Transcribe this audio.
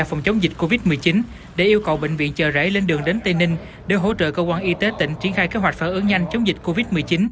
phòng chống dịch covid một mươi chín để yêu cầu bệnh viện chờ rảy lên đường đến tây ninh để hỗ trợ cơ quan y tế tỉnh triển khai kế hoạch phản ứng nhanh chống dịch covid một mươi chín